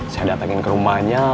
saya datangin ke rumahnya